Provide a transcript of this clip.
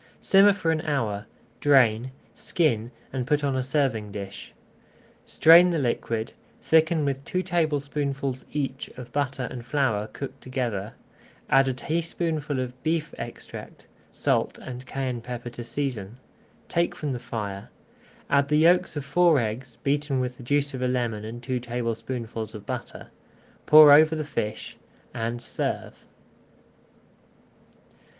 Simmer for an hour, drain, skin, and put on a serving dish. Strain the liquid, thicken with two tablespoonfuls each of butter and flour cooked together, add a teaspoonful of beef extract, salt and cayenne pepper to season, take from the fire, add the yolks of four eggs, beaten with the juice of a lemon and two tablespoonfuls of butter, pour over the fish, and serve.